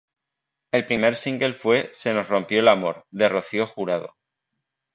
El primer single fue "Se nos rompió el amor" de Rocío Jurado.